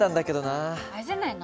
あれじゃないの？